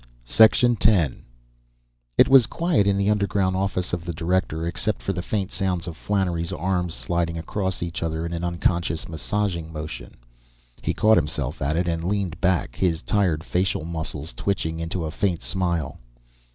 X It was quiet in the underground office of the director, except for the faint sound of Flannery's arms sliding across each other in an unconscious massaging motion. He caught himself at it, and leaned back, his tired facial muscles twitching into a faint smile.